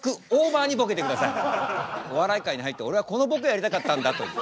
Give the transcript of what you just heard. お笑い界に入って俺はこのボケをやりたかったんだという。